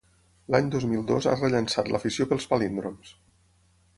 L'any dos mil dos ha rellançat l'afició pels palíndroms.